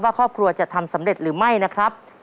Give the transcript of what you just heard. ครอบครัวจะทำสำเร็จหรือไม่นะครับ